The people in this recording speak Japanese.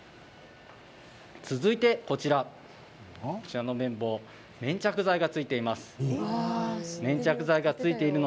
続いてこちら、こちらの綿棒は粘着剤が付いています。